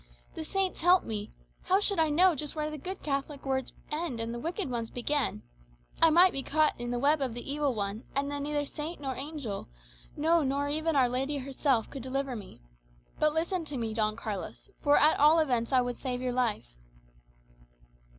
The saints help me! How should I know just where the good Catholic words end, and the wicked ones begin? I might be caught in the web of the evil one; and then neither saint nor angel, no, nor even Our Lady herself, could deliver me. But listen to me, Don Carlos, for at all events I would save your life."